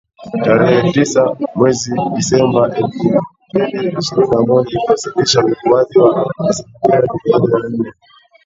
Tarehe Tisa mwezi Disemba elfu mbili ishirini na moja ikiwasilisha ukuaji wa asilimia arubaini na nne